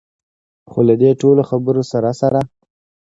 خو له دې ټولو خبرو سره سره.